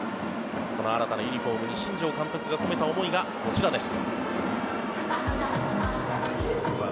新たなユニホームに新庄監督が込めた思いがこちらです。